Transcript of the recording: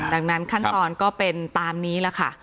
ดังนั้นขั้นตอนก็เป็นตามนี้แหละค่ะ